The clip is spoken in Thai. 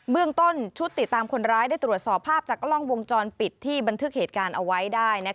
เรื่องต้นชุดติดตามคนร้ายได้ตรวจสอบภาพจากกล้องวงจรปิดที่บันทึกเหตุการณ์เอาไว้ได้